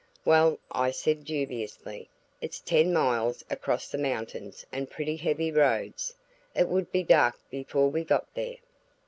"Well," I said dubiously, "it's ten miles across the mountains and pretty heavy roads. It would be dark before we got there."